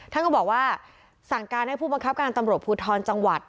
ท่านก็บอกว่าสั่งการให้ผู้บังคับการตำรวจภูทรจังหวัด